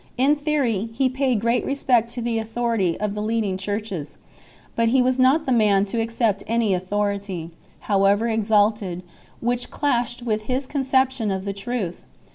In theory, he paid great respect to the authority of the leading Churches ; but he was not the man to accept any authority, however exalted, which clashed with his conception of the truth.